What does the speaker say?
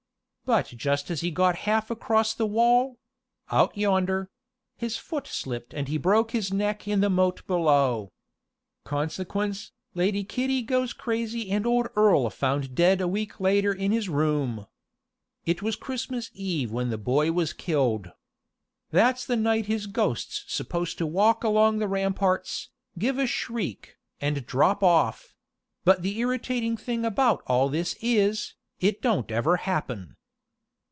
But just as he got half across the wall out yonder his foot slipped and he broke his neck in the moat below. Consequence, Lady Kitty goes crazy and old Earl found dead a week later in his room. It was Christmas Eve when the boy was killed. That's the night his ghost's supposed to walk along the ramparts, give a shriek, and drop off but the irritating thing about it all is, it don't ever happen."